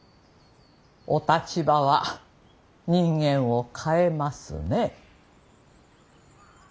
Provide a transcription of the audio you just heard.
お立場は人間を変えますね。